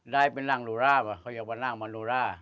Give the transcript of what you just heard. ได้เป็นนางมโนรามาเขาเรียกว่านางมโนรา